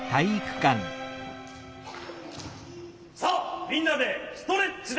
さあみんなでストレッチだ。